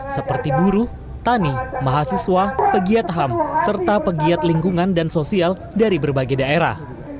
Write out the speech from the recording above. seperti buruh tani mahasiswa pegiat ham serta pegiat lingkungan dan sosial dari berbagai daerah